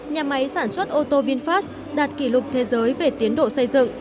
nhà máy sản xuất ô tô vinfast đạt kỷ lục thế giới về tiến độ xây dựng